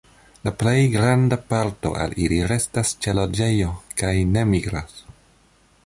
La plej granda parto el ili restas ĉe loĝejo kaj ne migras.